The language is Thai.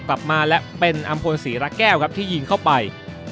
กลับมาและเป็นอำพลศรีระแก้วครับที่ยิงเข้าไป